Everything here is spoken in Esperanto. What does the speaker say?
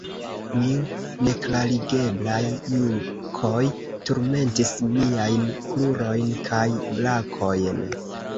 Mil neklarigeblaj jukoj turmentis miajn krurojn kaj brakojn.